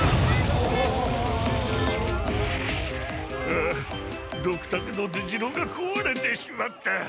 ああドクタケの出城がこわれてしまった！